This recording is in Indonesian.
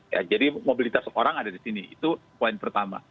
ya jadi mobilitas orang ada di sini itu poin pertama